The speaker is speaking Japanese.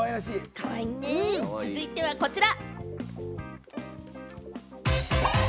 かわいいね、続いてはこちら。